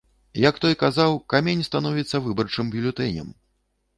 Як той казаў, камень становіцца выбарчым бюлетэнем.